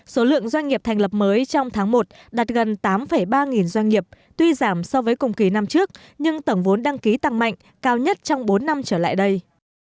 số lượng doanh nghiệp thành lập mới trong tháng một đạt gần tám ba nghìn doanh nghiệp tuy giảm so với cùng kỳ năm trước nhưng tổng vốn đăng ký tăng mạnh cao nhất trong bốn năm trở lại đây